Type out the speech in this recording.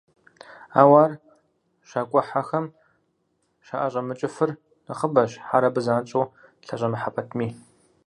Ауэ ар щакIуэхьэхэм щаIэщIэмыкIыфыр нэхъыбэщ, хьэр абы занщIэу лъэщIэмыхьэ пэтми.